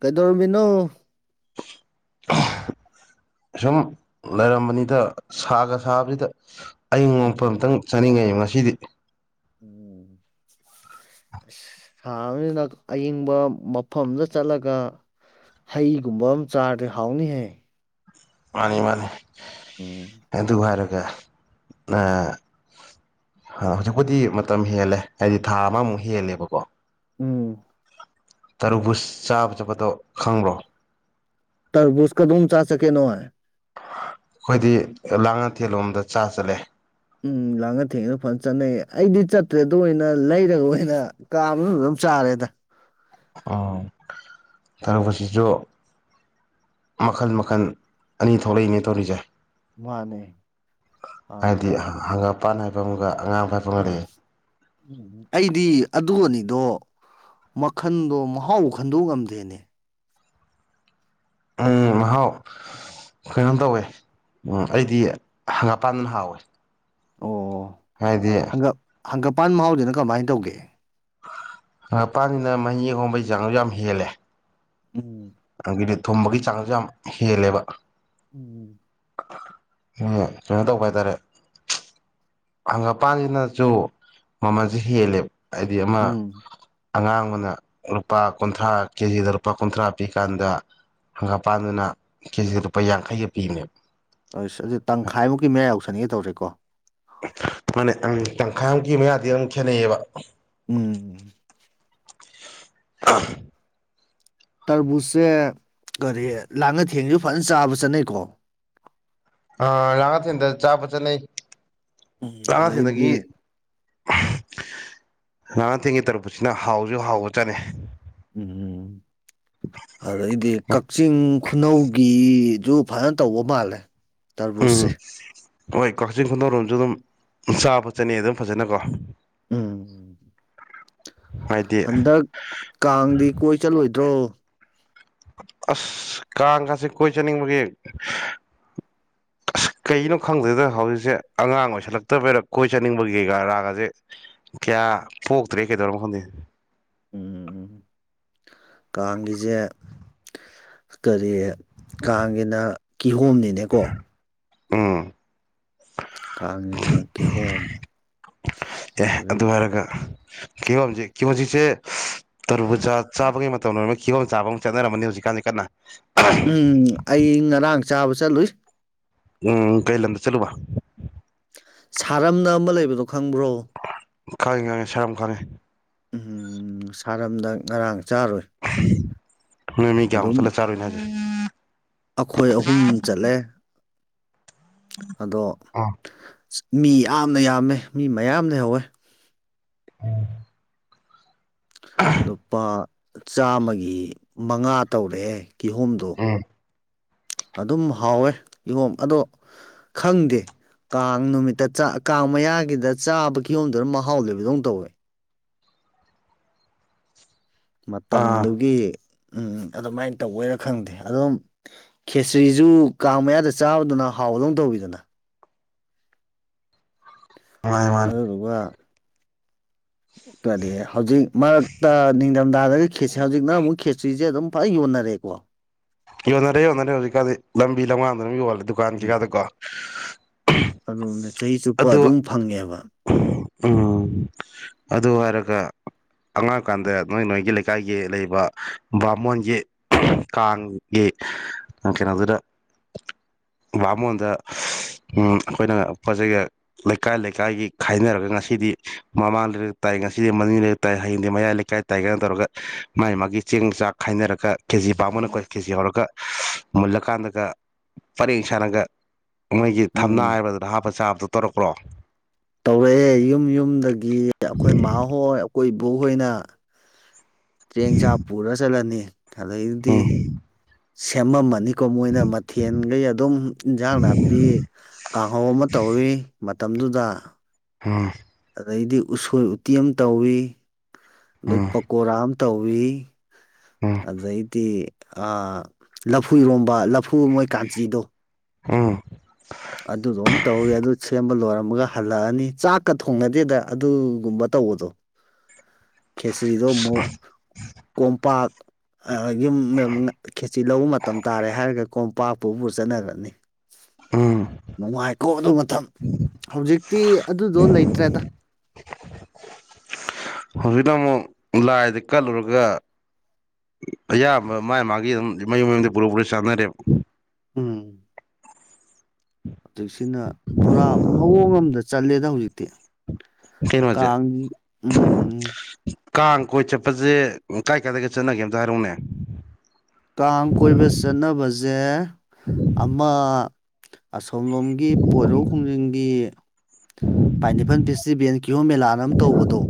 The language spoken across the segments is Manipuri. ꯀꯩꯗꯧꯔꯃꯤꯅꯣ ꯁꯨꯝ ꯂꯩꯔꯝꯕꯅꯤꯗ ꯁꯥꯒ ꯁꯥꯕꯁꯤꯗ ꯑꯌꯤꯡꯕ ꯑꯝꯇꯪ ꯆꯥꯅꯤꯡꯉꯩ ꯉꯁꯤꯗꯤ ꯑꯁ ꯁꯥꯕꯅꯤꯅ ꯑꯌꯤꯡꯕ ꯃꯐꯝ ꯑꯝꯗ ꯆꯠꯂꯒ ꯍꯩꯒꯨꯝꯕ ꯑꯃ ꯆꯥꯔꯗꯤ ꯍꯥꯎꯅꯤꯍꯦ ꯃꯥꯅꯤ ꯃꯥꯅꯤ ꯎꯝ ꯑꯗꯨ ꯍꯥꯏꯔꯒ ꯍꯧꯖꯤꯛꯄꯨꯗꯤ ꯃꯇꯝ ꯍꯦꯜꯂꯦ ꯍꯥꯏꯗꯤ ꯊꯥ ꯑꯃꯃꯨꯛ ꯍꯦꯜꯂꯦꯕꯀꯣ ꯎꯝ ꯇꯔꯨꯕꯨ ꯆꯥꯕ ꯆꯠꯄꯗꯣ ꯈꯪꯂꯣ ꯇ ꯕꯨꯁꯀꯗ ꯎꯟ ꯆꯥꯁ ꯀꯦꯅꯣ ꯍꯥꯏ ꯑꯩꯈꯣꯏꯗꯤ ꯂꯥꯡ ꯉꯊꯦꯜꯂꯣꯝꯗ ꯆꯥ ꯆꯠꯂꯦ ꯎꯝ ꯂꯥꯡꯒ ꯊꯦꯡꯅ ꯐꯖꯅ ꯆꯠꯅꯩꯌꯦ ꯑꯩꯗꯤ ꯆꯠꯇ꯭ꯔꯦꯗ ꯑꯣꯏꯅ ꯂꯩꯔꯒ ꯑꯣꯏꯅ ꯀꯥ ꯑꯗꯨꯝ ꯆꯥ ꯇꯔꯦꯗ ꯑ ꯇꯔ ꯀꯁꯤꯁꯨ ꯃꯈꯜ ꯃꯈꯜ ꯑꯅꯤ ꯊꯣꯛꯂꯛꯏꯅꯦ ꯇꯧꯔꯤꯁꯦ ꯃꯥꯅꯦ ꯑꯥ ꯃꯄꯥꯟ ꯅꯥꯏꯕ ꯑꯃꯒ ꯑꯉꯥꯡꯕ ꯍꯥꯏꯕ ꯑꯃꯒ ꯎꯝ ꯂꯩꯌꯦ ꯎꯝ ꯑꯩꯗꯤ ꯑꯗꯨ ꯑꯅꯤ ꯑꯣ ꯃꯈꯟꯗꯣ ꯃꯍꯥꯎ ꯈꯟꯗꯣꯛ ꯉꯝꯗꯦꯅꯦ ꯎꯝ ꯃꯍ ꯍꯥꯎ ꯀꯩꯅꯣꯝ ꯇꯧꯋꯦ ꯑꯩꯗꯤ ꯍꯪꯒꯥꯄꯥꯟꯗꯅ ꯍꯥꯎꯋꯦ ꯑꯣ ꯍꯥꯏꯗꯌꯥ ꯍꯪꯒꯞ ꯍꯪꯒꯄꯥꯟ ꯃꯍꯥꯎꯁꯤꯅ ꯀꯃꯥꯏꯅ ꯇꯧꯒꯦ ꯃꯄꯥꯟꯁꯤꯅ ꯃꯍꯤ ꯑꯍꯣꯡꯕꯒꯤ ꯆꯥꯡꯁꯨ ꯌꯥꯝ ꯍꯦꯜꯂꯦ ꯎꯝ ꯑꯗꯒꯤꯗꯤ ꯊꯨꯝꯕꯒꯤ ꯆꯥꯡꯁꯨ ꯌꯥꯝ ꯍꯦꯜꯂꯦꯕ ꯎꯝ ꯀꯩꯅꯣ ꯇꯧꯕ ꯍꯥꯏꯇꯥꯔꯦ ꯍꯪꯒꯄꯥꯟ ꯁꯤꯅꯁꯨ ꯃꯃꯜꯁꯨꯦ ꯍꯦꯜꯂꯦꯕ ꯍꯥꯏꯗꯤ ꯑꯃ ꯎꯝ ꯑꯉꯥꯡꯕꯅ ꯂꯨꯄꯥ ꯀꯨꯟꯊ꯭ꯔꯥ ꯀꯦꯖꯤꯗ ꯂꯨꯄꯥ ꯀꯨꯟꯊ꯭ꯔꯥ ꯄꯤꯀꯥꯟꯗ ꯍꯪꯒꯥꯄꯥꯟꯗꯨꯅ ꯀꯦꯖꯤꯗ ꯂꯨꯄꯥ ꯌꯥꯡꯈꯩꯒ ꯄꯤꯕꯅꯦꯕꯥ ꯑꯁ ꯑꯗꯨꯗꯤ ꯇꯪꯈꯥꯏꯃꯨꯛꯀꯤ ꯃꯌꯥ ꯌꯧꯁꯟꯒꯦ ꯇꯧꯔꯦꯀꯣ ꯃꯥꯅꯦ ꯇꯪꯈꯥꯏꯃꯨꯛꯀꯤ ꯃꯌꯥꯗꯤ ꯑꯗꯨꯝ ꯈꯦꯠꯅꯩꯌꯦꯕ ꯎꯝ ꯑꯍꯝ ꯇ꯭ꯔꯕꯨꯁꯁꯦ ꯀꯔꯤ ꯂꯥꯡꯉꯥꯊꯦꯜ ꯒꯤꯁꯨ ꯐꯖꯅ ꯆꯥꯕ ꯆꯠꯅꯩꯀꯣ ꯑꯥ ꯂꯥꯡꯉꯥꯊꯦꯜꯗ ꯆꯥꯕ ꯆꯠꯅꯩ ꯎꯝ ꯑꯗꯩꯩꯗꯤ ꯂꯥꯉꯥꯊꯦꯜꯒꯤ ꯇ꯭ꯔꯕꯨꯁꯁꯤꯅ ꯍꯥꯎꯁꯨ ꯍꯥꯎꯕ ꯆꯥꯠꯅꯩ ꯎꯝ ꯎꯝ ꯑꯗꯩꯗꯤ ꯀꯛꯆꯤꯡ ꯈꯨꯅꯧꯒꯤ ꯑꯗꯨ ꯐꯖꯅꯥ ꯇꯧꯕ ꯃꯥꯜꯂꯦ ꯎꯝ ꯇꯔꯕꯨꯁꯁꯦ ꯍꯣꯏ ꯀꯛꯆꯤꯡ ꯈꯨꯅꯧꯔꯣꯝꯁꯨ ꯑꯗꯨꯝ ꯆꯥꯕ ꯆꯠꯅꯩ ꯑꯗꯨꯝ ꯐꯖꯅꯀꯣ ꯎꯝ ꯍꯥꯏꯗꯤ ꯍꯟꯗꯛ ꯀꯥꯡꯗꯤ ꯀꯣꯏ ꯆꯠꯂꯣꯏꯗ꯭ꯔꯣ ꯑꯁ ꯀꯥꯡꯀꯥꯁꯦ ꯀꯣꯏ ꯆꯠꯅꯤꯡꯕꯒꯤ [inaudible] ꯀꯩꯒꯤꯅꯣ ꯈꯪꯗꯦꯗ ꯍꯧꯖꯤꯛꯁꯦ ꯑꯉꯥꯡ ꯑꯣꯏꯁꯜꯂꯛꯇꯕꯩꯔꯥ ꯀꯣꯏ ꯆꯠꯅꯤꯡꯕꯒꯤꯒ ꯔꯥꯒꯁꯦ ꯀꯌꯥ ꯄꯣꯛꯇ꯭ꯔꯦ ꯀꯩꯗꯧꯔꯝ ꯃꯣ ꯈꯪꯗꯦ ꯎꯝ ꯎꯝ ꯎꯝ ꯀꯥꯡꯒꯤꯁꯦ ꯀꯔꯤ ꯀꯥꯡꯒꯤꯅ ꯀꯤꯍꯣꯝꯅꯤꯅꯦꯀꯣ ꯎꯝ ꯀꯥꯡꯒꯤꯅ ꯀꯤꯍꯣꯝ ꯑꯦ ꯑꯗꯨ ꯑꯗꯩꯩ ꯍꯥꯏꯔꯒ ꯀꯤꯍꯣꯝꯁꯦ ꯀꯤꯍꯣꯝ ꯍꯧꯖꯤꯛ ꯁꯦ ꯇ꯭ꯔꯕꯨꯖꯥ ꯆꯥꯕꯒꯤ ꯃꯇꯝ ꯂꯣꯏꯔꯥ ꯀꯤꯍꯣꯝ ꯆꯥꯕ ꯑꯃꯨꯛ ꯆꯠꯅꯔꯝꯃꯅꯤ ꯍꯧꯖꯤꯛꯀꯥꯟꯗꯤ ꯀꯟꯅ ꯎꯝ ꯑꯩ ꯉꯔꯥꯡ ꯆꯥꯕ ꯆꯠꯂꯨꯏ ꯎꯝ ꯀꯩ ꯂꯝꯗ ꯆꯠꯂꯨꯕ ꯁꯥꯔꯝꯅ ꯑꯃ ꯂꯩꯕꯗꯣ ꯈꯪꯕ꯭ꯔꯣ ꯈꯪꯉꯤ ꯈꯪꯉꯤ ꯁꯔꯝ ꯈꯪꯉꯤ ꯎꯝ ꯁꯥꯔꯝꯗ ꯉꯔꯥꯡ ꯆꯥꯔꯨꯣꯏ ꯅꯣꯏ ꯃꯤ ꯀꯌꯥ ꯃꯨꯛ ꯆꯠꯂꯥ ꯆꯔꯨꯏꯅꯣ ꯍꯥꯏꯁꯦ ꯑꯩꯈꯣꯏ ꯑꯍꯨꯝ ꯆꯠꯂꯦ ꯑꯗꯣ ꯑꯥ ꯃꯤ ꯌꯥꯝꯅ ꯌꯥꯝꯃꯦ ꯃꯤ ꯃꯌꯥꯝ ꯂꯩꯍꯧꯋꯦ ꯑꯥ ꯂꯨꯄꯥ ꯆꯥꯝꯃꯒꯤ ꯃꯉꯥ ꯇꯧꯔꯛꯑꯦ ꯀꯤꯍꯣꯝꯗꯣ ꯎꯝ ꯑꯗꯨꯝ ꯍꯥꯎꯋꯦ ꯀꯤꯍꯣꯝ ꯑꯗꯣ ꯈꯪꯗꯦ ꯀꯥꯡ ꯅꯨꯃꯤꯠꯇ ꯆꯥ ꯀꯥꯡ ꯃꯌꯥꯒꯤꯗ ꯆꯥꯕ ꯀꯤꯌꯣꯝꯗꯨꯅꯥ ꯃꯍꯥꯎ ꯂꯩꯕꯗꯧ ꯇꯧꯋꯦ ꯑꯥ ꯃꯇꯝꯗꯨꯒꯤ ꯎꯝ ꯑꯗꯨꯃꯥꯏꯅ ꯇꯧꯕꯩꯔ ꯈꯪꯗꯦ ꯑꯗꯨꯝ ꯈꯦꯆ꯭ꯔꯤꯁꯨ ꯀꯥꯡ ꯃꯌꯥꯗ ꯆꯥꯕꯗꯨꯅ ꯍꯥꯎ ꯍꯥꯑꯣꯕꯗꯧ ꯇꯧꯏ ꯗꯅ ꯃꯥꯅꯤ ꯃꯥꯅꯤ ꯑꯗꯨꯗꯨꯒ ꯗꯤ ꯍꯧꯖꯤꯛ ꯃꯔꯛꯇ ꯊꯗꯒꯥ ꯈꯦꯆ꯭ꯔꯤ ꯍꯧꯖꯤꯛꯅꯥ ꯑꯃꯨꯛ ꯈꯦꯆ꯭ꯔꯤ ꯑꯗꯨꯝ ꯐꯖꯅꯥ ꯌꯣꯟꯅꯔꯦ ꯀꯦ ꯎꯝ ꯌꯣꯟꯅꯔꯦ ꯌꯣꯟꯅꯔꯦ ꯍꯧꯖꯤꯛꯀꯥꯟꯗꯤ ꯂꯝꯕꯤ ꯂꯝꯈꯥꯡ ꯗꯨꯝ ꯌꯣꯟꯅꯔꯦ ꯗꯨꯀꯥꯟ ꯀꯩꯀꯥꯗ ꯀꯣ ꯑꯣꯗꯨꯅꯦ ꯆꯍꯤ ꯆꯨꯞꯄ ꯑꯗꯨꯝ ꯐꯪꯉꯦꯕ ꯎꯝ ꯑꯗꯨ ꯍꯥꯏꯔꯒ ꯑꯉꯥꯡ ꯑꯣꯏꯀꯥꯟꯗ ꯅꯣꯏ ꯅꯣꯏꯒꯤ ꯂꯩꯀꯥꯏꯒꯤ ꯂꯩꯔꯤꯕꯕ ꯕꯥꯃꯣꯟꯒꯤ ꯀꯥꯡꯒꯤ ꯀꯩꯅꯣꯗꯨꯗ ꯕꯥꯃꯣꯟꯗ ꯑꯩꯈꯣꯏꯅ ꯄꯣꯠ ꯆꯩꯩꯒ ꯂꯩꯀꯥꯏ ꯂꯩꯀꯥꯏꯒꯤ ꯈꯥꯏꯅꯔꯒ ꯉꯁꯤꯗꯤ ꯃꯃꯥꯡ ꯂꯩꯔꯛ ꯇꯥꯏ ꯉꯁꯤꯗꯤ ꯃꯅꯤꯡ ꯂꯩꯔꯛ ꯇꯥꯏ ꯍꯌꯦꯡꯗꯤ ꯃꯌꯥ ꯂꯩꯀꯥꯏ ꯂꯩꯀꯥꯏ ꯇꯥꯏꯒꯥꯏꯅ ꯇꯧꯔꯒ ꯃꯥꯒꯤ ꯃꯥꯒꯤ ꯆꯦꯡ ꯆꯥꯛ ꯈꯥꯏꯅꯔꯒ ꯀꯦꯖꯤ ꯄꯥꯕꯅ ꯑꯩꯈꯣꯏ ꯀꯦꯖꯤ ꯍꯧꯔꯒ ꯃꯨꯜꯂꯀꯥꯟꯗꯒ ꯄꯔꯦꯡ ꯁꯥꯥꯟꯅꯒ ꯃꯣꯏꯒꯤ ꯊꯝꯅꯥ ꯎꯝ ꯍꯥꯏꯔꯕꯗꯨꯗ ꯍꯥꯞꯄ ꯆꯥꯕꯗꯣ ꯇꯔꯛ꯭ꯔꯣ ꯇꯧꯔꯛꯑꯦ ꯌꯨꯝ ꯌꯨꯝꯗꯒꯤ ꯑꯩꯈꯣꯏ ꯃꯥꯍꯣꯏ ꯑꯩꯈꯣꯏ ꯏꯕꯕꯨ ꯍꯣꯏꯅ ꯇ꯭ꯔꯦꯡ ꯆꯥꯛ ꯄꯨꯔ ꯆꯠꯂꯅꯤ ꯑꯗꯩꯗꯤ ꯎꯝ ꯁꯦꯝꯃꯝꯃꯅꯤ ꯀꯣ ꯃꯣꯏꯅ ꯃꯊꯦꯜꯈꯩ ꯑꯗꯨꯝ ꯏꯟꯁꯥꯡ ꯅꯥꯄꯤ ꯀꯥꯡꯍꯧ ꯑꯃ ꯇꯧꯋꯤ ꯃꯇꯝꯗꯨꯗ ꯑꯝ ꯑꯗꯩꯗꯤ ꯎꯁꯣꯏ ꯎꯇꯤ ꯑꯃ ꯇꯧꯏ ꯑꯗꯩ ꯎꯝ ꯄꯀꯣꯔꯥ ꯑꯃ ꯇꯧꯏ ꯑꯗꯥꯏꯗꯤ ꯂꯐꯨꯔꯣꯝꯕ ꯂꯐꯨ ꯃꯣꯏ ꯀꯥꯟꯆꯤꯗꯣ ꯑ ꯑꯗꯨꯗꯣ ꯑꯃ ꯇꯧꯋꯤ ꯑꯗꯨ ꯁꯦꯝꯕ ꯂꯣꯏꯔꯝꯃꯒ ꯍꯜꯂꯛꯑꯅꯤ ꯆꯥꯛꯀ ꯊꯣꯡꯅꯗꯦꯗ ꯑꯗꯨꯒꯨꯝꯕ ꯇꯧꯕꯗꯣ ꯈꯦꯁꯔꯤꯗꯣ ꯑꯃꯨꯛ ꯀꯣꯝꯄꯥꯛ ꯌꯨꯝ ꯈꯦꯆꯤ ꯂꯧꯕ ꯃꯇꯝ ꯇꯥꯔꯦ ꯍꯥꯏꯔꯒ ꯀꯣꯝꯄꯥꯛꯄꯨꯕꯨ ꯆꯠꯅꯈ꯭ꯔꯅꯤ ꯎꯝ [inaudible] ꯅꯨꯡꯉꯥꯏꯀꯣ ꯑꯗꯨ ꯃꯇꯝ ꯍꯧꯖꯤꯛꯇꯤ ꯑꯗꯨꯗꯣ ꯂꯩꯇ꯭ꯔꯦꯗ ꯍꯧꯖꯤꯛꯅ ꯑꯃꯨꯛ ꯂꯥꯏꯗ ꯀꯠꯂꯨꯔꯒ ꯑꯌꯥꯝꯕ ꯃꯥ ꯃꯥꯒꯤ ꯑꯗꯨ ꯃꯌꯨꯝ ꯃꯌꯨꯝꯗꯤ ꯄꯨꯔꯥ ꯄꯨꯔ ꯆꯥꯟꯅꯔꯦꯕ ꯎꯝ ꯍꯧꯖꯤꯛꯁꯤꯅ ꯄꯨꯔꯥ ꯃꯑꯣꯡ ꯑꯃꯗ ꯆꯜꯂꯦꯗ ꯍꯧꯖꯤꯛꯇꯤ ꯀ ꯀꯩꯅꯣꯁꯦ ꯎꯝ ꯎ ꯀꯥꯡ ꯀꯣꯏ ꯆꯠꯄꯁꯦ ꯀꯥꯏ ꯀꯥꯏꯗꯒ ꯆꯠꯅꯒꯦ ꯑꯝꯇ ꯍꯥꯏꯔꯛꯅꯦ ꯀꯥꯡ ꯀꯣꯏꯕ ꯆꯠꯅꯕꯁꯦ ꯑꯃ ꯑꯣꯝꯂꯣꯝꯒꯤ ꯄꯣꯏꯔꯧ ꯈꯨꯝꯖꯪꯒꯤ ꯄꯥꯏꯅꯤꯄꯟ ꯐꯦꯁꯇꯤꯚꯦꯜ ꯀꯤꯍꯣꯝ ꯃꯦꯂꯥꯅ ꯑꯃ ꯇꯧꯕꯗꯣ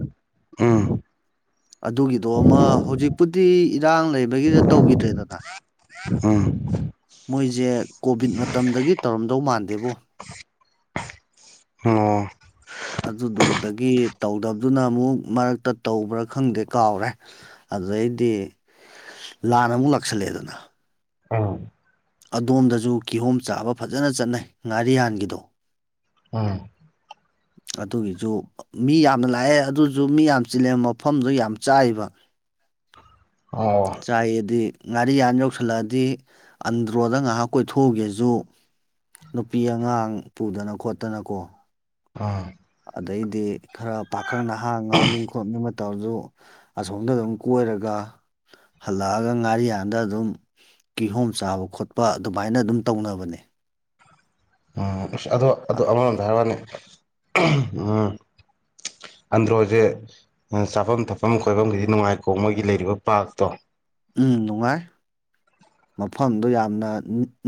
ꯎꯝ ꯑꯗꯨꯒꯤꯗꯣ ꯑꯃ ꯍꯧꯖꯤꯛꯄꯨꯗꯤ ꯏꯔꯥꯡ ꯂꯩꯕꯒꯤꯗ ꯇꯧꯈꯤꯗ꯭ꯔꯦꯗꯅ ꯑꯥ ꯃꯣꯏꯁꯦ ꯀꯣꯚꯤꯠ ꯃꯇꯝꯗꯒꯤ ꯇꯧꯔꯝꯗꯧ ꯃꯥꯟꯗꯦꯕꯨ ꯑꯣ ꯑꯗꯨꯗꯣ ꯑꯒꯤ ꯇꯧꯗꯕꯗꯨꯅ ꯑꯃꯨꯛ ꯃꯔꯛꯇ ꯇꯧꯕ꯭ꯔꯥ ꯈꯪꯗꯦ ꯀꯥꯎꯔꯦ ꯑꯗꯨꯗꯩꯗꯤ ꯂꯥꯟꯅ ꯑꯃꯨꯛ ꯂꯥꯛꯁꯜꯂꯦ ꯑꯗꯨꯅ ꯑꯥ ꯑꯗꯣꯝꯗꯁꯨ ꯀꯤꯍꯣꯝ ꯆꯥꯕ ꯐꯖꯅ ꯆꯠꯅꯩ ꯉꯥꯔꯤꯌꯥꯟꯒꯤꯗꯣ ꯎꯝ ꯑꯗꯨꯒꯤꯁꯨ ꯃꯤ ꯌꯥꯝꯅ ꯂꯥꯛꯑꯦ ꯑꯗꯨꯁꯨ ꯃꯤ ꯌꯥꯝ ꯆꯤꯜꯂꯦ ꯃꯐꯝꯗꯨꯣ ꯌꯥꯝ ꯆꯥꯏꯕ [inaudible] ꯑꯣ ꯆꯥꯏꯌꯦꯗꯤ ꯉꯥꯔꯤ ꯌꯥꯟ ꯌꯧꯁꯜꯂꯛꯑꯗꯤ ꯑꯟꯗ꯭ꯔꯣꯗ ꯉꯥꯏꯍꯥꯛ ꯀꯣꯏꯊꯣꯛꯎꯒꯦꯁꯨ ꯅꯨꯄꯤ ꯑꯉꯥꯡ ꯄꯨꯗꯅ ꯈꯣꯠꯇꯅꯀꯣ ꯑꯥ ꯑꯗꯩꯗꯤ ꯈꯔ ꯄꯥꯈꯪ ꯅꯍꯥ ꯉꯥꯎꯅꯤꯡ ꯈꯣꯠꯅꯤꯡꯕ ꯇꯧꯔꯁꯨ ꯑꯁꯣꯝꯗ ꯑꯗꯨꯝ ꯀꯣꯏꯔꯒ ꯍꯜꯂꯛꯑꯒ ꯉꯥꯔꯤꯌꯥꯥꯟꯗ ꯑꯗꯨꯝ ꯀꯤꯍꯣꯝ ꯆꯥꯕ ꯈꯣꯠꯄ ꯑꯗꯨꯃꯥꯏꯅ ꯑꯗꯨꯝ ꯇꯧꯅꯕꯅꯦ ꯎꯝ ꯑꯁ ꯑꯗꯣ ꯑꯗꯨ ꯑꯃꯔꯣꯝꯗ ꯍꯥꯏꯔꯛꯅꯤ ꯎꯝ ꯑꯟ ꯔꯣꯖꯦ ꯆꯥꯐꯝ ꯊꯛꯐꯝ ꯈꯣꯏꯐꯝꯒꯤꯗꯤ ꯅꯨꯡꯉꯥꯏꯈꯣ ꯃꯣꯏꯒꯤ ꯂꯩꯔꯤꯕ ꯄꯥꯔꯛꯇꯣ ꯎꯝ ꯅꯨꯡꯉꯥꯏ ꯃꯐꯝꯗꯣ ꯌꯥꯝꯅ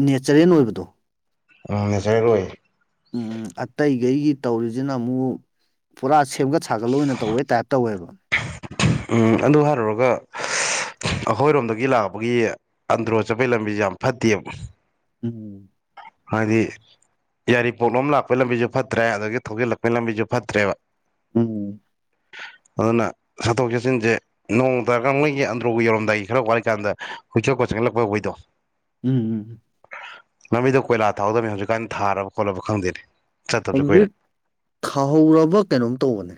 ꯅꯦꯆꯔꯦꯟ ꯑꯣꯏꯕꯗꯣ ꯎꯝ ꯅꯦꯆꯔꯦꯜ ꯑꯣꯏ ꯎꯝ ꯑꯇꯩꯈꯩꯒꯤ ꯇꯧꯔꯤꯁꯤꯅ ꯑꯃꯨꯛ ꯄꯨꯔꯥ ꯁꯦꯝꯒꯠ ꯁꯥꯒꯠ ꯑꯣꯏꯅ ꯇꯧꯋꯦ ꯇꯥꯏꯞ ꯇꯧꯋꯦꯕ ꯎ ꯑꯗꯨ ꯍꯥꯏꯔꯨꯔꯒ ꯑꯩꯈꯣꯏꯔꯣꯝꯗꯒꯤ ꯂꯥꯛꯄꯒꯤ ꯑꯟꯗ꯭ꯔꯣ ꯆꯠꯄꯒꯤ ꯂꯝꯕꯤꯁꯦ ꯌꯥꯝ ꯐꯠꯇꯦꯕ ꯎꯝ ꯍꯥꯏꯗꯤ ꯌꯥꯔꯤꯄꯣꯛꯂꯣꯝ ꯂꯥꯛꯄꯒꯤ ꯂꯝꯕꯤꯁꯨ ꯐꯠꯇ꯭ꯔꯦ ꯑꯗꯒꯤ ꯊꯧꯖꯤꯜꯂꯛꯄꯩ ꯂꯝꯕꯤꯁꯨ ꯐꯠꯇ꯭ꯔꯦꯕ ꯎꯝ ꯑꯗꯨꯅ ꯆꯠꯊꯣꯛ ꯆꯠꯁꯤꯟꯁꯦ ꯅꯣꯡ ꯇꯥꯔꯀꯩꯒꯤ ꯑꯟꯗ꯭ꯔꯣꯒ ꯌꯧꯔꯝꯗꯥꯏꯒꯤ ꯈꯔ ꯋꯥꯠꯂꯤꯀꯥꯟꯗ ꯀꯨꯏꯆꯠ ꯈꯣꯠꯆ ꯈꯥꯡꯒꯠꯂꯛꯄ ꯑꯩꯈꯣꯏꯗꯣ ꯎꯝ ꯎꯝ ꯂꯝꯕꯤꯗ ꯀꯣꯏꯂꯥ ꯊꯥꯍꯗꯕꯅꯤ ꯍꯧꯖꯤꯛꯀꯥꯟ ꯊꯥꯔꯕ ꯈꯣꯠꯂꯕ ꯈꯪꯗꯦꯅꯦ ꯆꯠꯇꯕꯁꯨ ꯀꯨꯏꯔꯦ ꯍꯧꯖꯤꯛ ꯈꯥꯍꯧꯔꯕ ꯀꯩꯅꯣꯝ ꯇꯧꯕꯅꯦ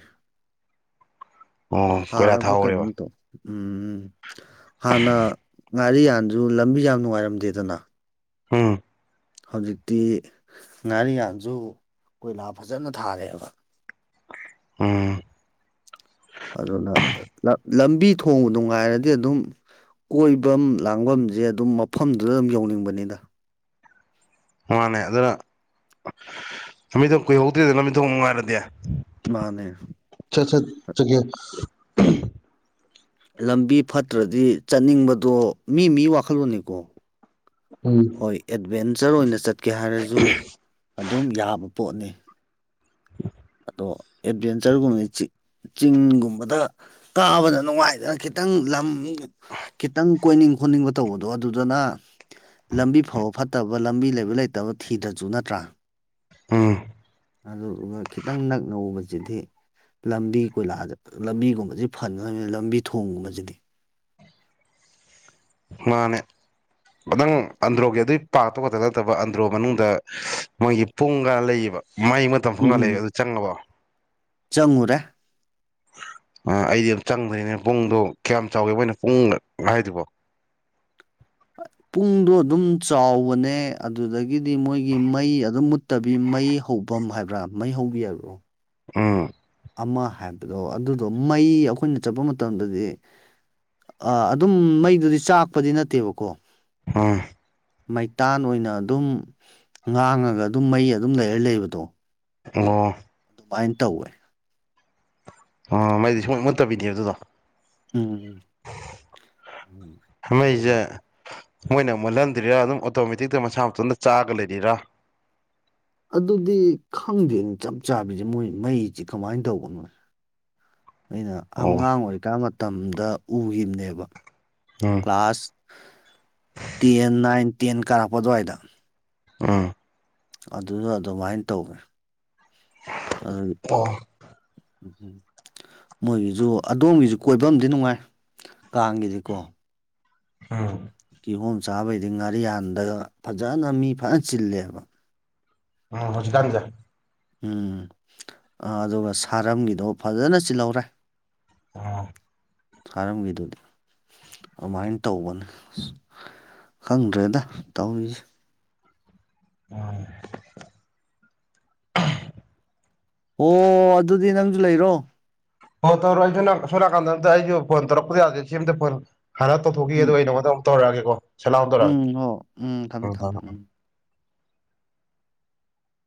ꯑꯣ ꯀꯣꯏꯂꯥ ꯊꯥꯔꯕ ꯊꯥꯍꯧꯔꯦꯕ ꯀꯩꯅꯣꯝꯇꯣ ꯎꯝꯝ ꯍꯥꯟꯅ ꯉꯥꯔꯤ ꯌꯥꯟꯗꯨ ꯂꯝꯕꯤ ꯌꯥꯝ ꯅꯨꯡꯉꯥꯏꯔꯝꯗꯦꯗꯅ ꯍꯝ ꯍꯧꯖꯤꯛꯇꯤ ꯉꯥꯔꯤ ꯉꯁꯨ ꯀꯣꯏꯂꯥ ꯐꯖꯅ ꯊꯥꯔꯦꯕ ꯑꯦꯝ ꯑꯗꯨꯅ ꯂꯝꯕꯤ ꯊꯣꯡ ꯅꯨꯡ ꯉꯥꯏꯔꯗꯤ ꯑꯗꯨꯝ ꯀꯣꯏꯐꯝ ꯂꯥꯡꯐꯝꯁꯦ ꯑꯗꯨꯝ ꯃꯐꯝꯗꯨꯗ ꯑꯗꯨꯝ ꯌꯧꯅꯤꯡꯕꯅꯤꯅ ꯃꯥꯅꯦ ꯑꯗꯨꯅ ꯂꯝꯠꯇꯣꯡ ꯀꯨꯏꯍꯧꯗ꯭ꯔꯦꯗꯅ ꯂꯝꯃꯤꯠ ꯊꯣꯡ ꯉꯥꯏꯔꯗꯤ ꯑꯠ ꯃꯥꯅꯦ ꯆꯀꯦ ꯂꯝꯕꯤ ꯐꯠꯇ꯭ꯔꯗꯤ ꯆꯠꯅꯤꯡꯕꯗꯣ ꯃꯤ ꯃꯤ ꯋꯥꯈꯜꯂꯣꯟꯅꯤꯀꯣ ꯍꯣꯏ ꯑꯦꯠꯚꯦꯟꯆꯔ ꯑꯣꯏꯅ ꯆꯠ ꯎꯠꯀꯦ ꯍꯥꯏꯔꯁꯨ ꯑꯗꯨꯝ ꯌꯥꯕ ꯄꯣꯠꯅꯤ ꯑꯗꯣ ꯑꯦꯗꯚꯦꯟꯆꯔꯒꯨꯝꯕꯅ ꯆꯤꯡꯒꯨꯝꯕꯗ ꯀꯥꯕꯗ ꯅꯨꯡꯉꯥꯏꯗꯅ ꯈꯤꯇꯪ ꯈꯤꯇꯪ ꯂꯝ ꯈꯤꯇꯪ ꯀꯣꯏꯅꯤꯡ ꯈꯣꯠꯅꯤꯡꯕ ꯇꯧꯕꯗꯣ ꯑꯗꯨꯗꯨꯅ ꯂꯝꯕꯤ ꯐꯥꯎꯕ ꯐꯠꯇꯕ ꯂꯝꯕꯤ ꯂꯩꯕ ꯂꯩꯇꯕ ꯊꯤꯗ꯭ꯔꯁꯨ ꯅꯠꯇ꯭ꯔꯥ ꯑꯝ ꯑꯗꯨꯗꯨꯒ ꯈꯤꯇꯪ ꯅꯛꯅ ꯎꯕꯁꯤꯗꯤ ꯂꯝꯕꯤ ꯀꯣꯏꯂꯥꯁꯗ ꯂꯝꯕꯤꯒꯨꯝꯕꯁꯤ ꯐꯅꯅꯕꯅꯤ ꯂꯝꯕꯤ ꯊꯣꯡꯒꯨꯝꯕꯁꯤꯗꯤ ꯃꯥꯅꯦ ꯈꯤꯇꯪ ꯑꯟꯗ꯭ꯔꯣꯒꯤ ꯑꯗꯨꯒꯤ ꯄꯥꯛꯇ ꯈꯛꯇ ꯅꯠꯇꯕ ꯑꯟꯗ꯭ꯔꯣ ꯃꯅꯨꯡꯗ ꯃꯣꯏꯒꯤ ꯄꯨꯡꯒ ꯂꯩꯌꯦꯕ ꯃꯩ ꯃꯇꯝ ꯐꯪꯍꯂꯦ ꯑꯗꯨ ꯆꯪꯉꯕꯣ ꯆꯉꯨꯔꯥ ꯑ ꯑꯩꯗꯤ ꯌꯥꯝ ꯆꯪꯗꯔꯤꯅꯦ ꯄꯨꯡꯗꯣ ꯀꯌꯥꯝ ꯆꯥꯎꯏꯦ ꯃꯣꯏꯅ ꯄꯨꯡ ꯍꯥꯏꯔꯤꯕꯔꯤꯕꯣ [inaudible] ꯄꯨꯡꯗꯣ ꯑꯗꯨꯝ ꯆꯥꯎꯕꯅꯦ ꯑꯗꯨꯗꯒꯤꯗꯤ ꯃꯣꯏꯒꯤ ꯃꯩ ꯑꯗꯨꯝ ꯃꯨꯠꯇꯕꯤ ꯃꯩ ꯍꯐꯝ ꯍꯥꯏꯕ꯭ꯔꯥ ꯃꯩ ꯍꯧꯕꯤ ꯍꯥꯏꯕ꯭ꯔꯣ ꯎꯝ ꯑꯃ ꯍꯥꯏꯕꯗꯣ ꯑꯗꯨꯗꯣ ꯃꯩ ꯑꯩꯈꯣꯏꯅ ꯆꯠꯄ ꯃꯇꯝꯗꯗꯤ ꯑ ꯑꯗꯨꯝ ꯃꯩꯗꯨꯗꯤ ꯆꯥꯛꯄꯗꯤ ꯅꯠꯇꯦꯕꯀꯣ ꯍꯥ ꯃꯩꯇꯥꯟ ꯑꯣꯏꯅ ꯑꯗꯨꯝ ꯉꯥꯡꯉꯒ ꯑꯗꯨꯝ ꯃꯩ ꯑꯗꯨꯝ ꯂꯩꯔ ꯂꯩꯕꯗꯣ ꯑꯣ ꯑꯗꯨꯃꯥꯏꯅ ꯇꯧꯋꯦ ꯑ ꯃꯩꯗꯤ ꯁꯨꯡꯃꯠꯇꯕꯤꯅꯦ ꯑꯗꯨꯗꯣ ꯎꯝ ꯎꯝ ꯎꯝ ꯍꯁꯦ ꯃꯣꯏꯅ ꯃꯨꯜꯍꯟꯗ꯭ꯔꯤꯔꯥ ꯑꯗꯨꯝ ꯑꯣꯇꯣꯃꯦꯇꯤꯛꯇ ꯃꯁꯥ ꯃꯇꯟꯇ ꯆꯥꯒ ꯂꯩꯔꯤꯔꯥ ꯑꯗꯨꯗꯤ ꯈꯪꯗꯦ ꯆꯞ ꯆꯥꯕꯤꯁꯦ ꯃꯣꯏ ꯃꯩꯁꯤ ꯀꯃꯥꯏꯅ ꯇꯧꯒꯅꯣ [inaudible] ꯑꯩꯅ ꯑꯣ ꯑꯉꯥꯡ ꯑꯣꯏꯔꯤꯀꯥꯟ ꯃꯇꯝꯗ ꯎꯈꯤꯕꯅꯦꯕ ꯎꯝ ꯀ꯭ꯂꯥꯁ ꯇꯦꯟ ꯅꯥꯏꯟ ꯇꯦꯟ ꯀꯥꯔꯛꯄ ꯑꯗꯨꯋꯥꯏꯗ ꯑꯝ ꯑꯗꯨꯗ ꯑꯗꯨꯃꯥꯏꯅ ꯇꯧꯋꯦ ꯑꯗꯨꯒꯤ ꯑꯣ ꯎꯝ ꯎꯝ ꯃꯣꯏꯒꯤꯁꯨ ꯑꯗꯣꯝꯒꯤꯁꯨ ꯀꯣꯏꯕ ꯑꯃꯗꯤ ꯅꯨꯡꯉꯥꯏ ꯀꯥꯡꯒꯤꯗꯤꯀꯣ ꯎꯝ ꯀꯤꯍꯣꯝ ꯆꯥꯕꯩꯗꯤ ꯉꯥꯔꯤꯌꯥꯟꯗꯒ ꯐꯖꯅ ꯃꯤ ꯐꯖꯅ ꯆꯤꯜꯂꯦꯕ ꯎꯝ ꯃꯖꯤꯗꯥꯅꯖ ꯎꯝ ꯑꯗꯨꯒ ꯁꯥꯔꯝꯒꯤꯗꯣ ꯐꯖꯅ ꯆꯤꯜꯍꯧꯔꯦ ꯑ ꯊꯥꯔꯝꯒꯤꯗꯨꯗꯤ ꯑꯗꯨꯃꯥꯏꯅ ꯇꯧꯕꯅꯦ ꯑ ꯈꯪꯗ꯭ꯔꯦꯗ ꯇꯧꯔꯤꯁꯦ ꯎꯝ ꯑꯣꯣ ꯑꯗꯨꯗꯤ ꯅꯪꯁꯨ ꯂꯩꯔꯣ ꯍ ꯇꯧ ꯑꯩ ꯁꯣꯅꯥ ꯀꯥꯟꯗ ꯐꯣꯟ ꯇꯧꯣ ꯀ ꯁꯤ ꯐꯣꯟ ꯍꯥꯟꯅ ꯇꯧꯊꯣꯛꯈꯤ ꯑꯗ ꯎꯝ ꯑꯩ ꯅꯉꯣꯟꯗꯨ ꯇꯧꯛꯑꯒꯦꯣ ꯆꯂꯗꯔꯔ ꯎꯝ ꯍꯣ ꯎꯝ ꯊꯝꯃꯦ ꯇ ꯊꯝꯃꯦ ꯎꯝ